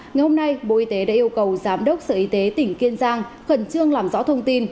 ngày hôm nay bộ y tế đã yêu cầu giám đốc sở y tế tỉnh kiên giang khẩn trương làm rõ thông tin